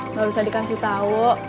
nggak bisa dikasih tau